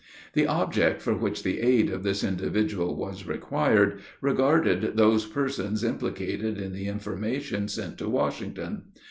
The object for which the aid of this individual was required, regarded those persons implicated in the information sent to Washington.